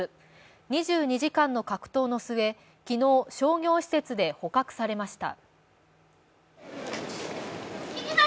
２２時間の格闘の末、昨日商業施設で捕獲されました。